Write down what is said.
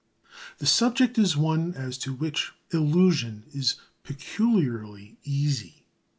The subject is one as to which illusion is peculiarly easy.